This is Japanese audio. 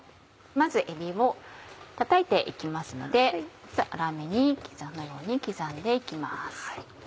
まずえびをたたいて行きますので粗めに刻んで行きます。